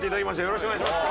よろしくお願いします